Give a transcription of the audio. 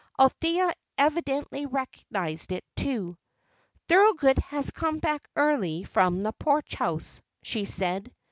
Althea evidently recognized it, too. "Thorold has come back early from the Porch House," she said.